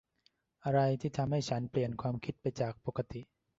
อะไรที่ทำให้ฉันเปลี่ยนความคิดไปจากปกติ ?